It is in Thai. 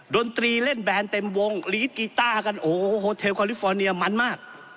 ดนตรีเล่นแบรนด์เต็มวงลีดกีต้ากันโอ้โหเทลคอลิฟอร์เนียมันมาก